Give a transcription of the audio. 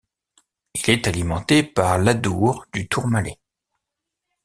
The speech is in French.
Il est alimenté par l'Adour du Tourmalet.